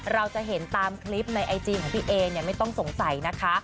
เราจะเห็นตามคลิปในไอจีของพี่เอเนี่ยไม่ต้องสงสัยนะคะ